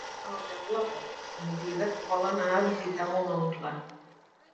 El deu d'agost en Dídac vol anar a visitar mon oncle.